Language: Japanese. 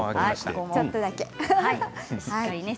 ちょっとだけ。